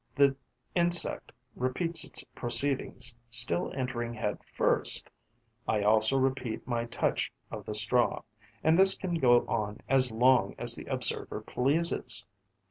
The insect repeats its proceedings, still entering head first; I also repeat my touch of the straw. And this can go on as long as the observer pleases.